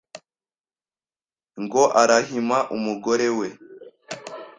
ngo arahima umugore we